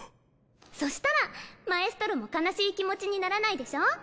そしたらマエストロも悲しい気持ちにならないでしょ？